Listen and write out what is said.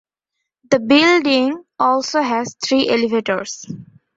The building also has three elevators.